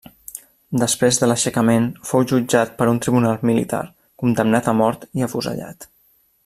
Després de l'aixecament fou jutjat per un tribunal militar, condemnat a mort i afusellat.